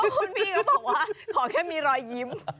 คุณพี่ก็บอกว่าขอแค่มีรอยยิ้ม